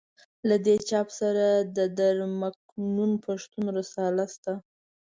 له دې چاپ سره د در مکنون پښتو رساله شته.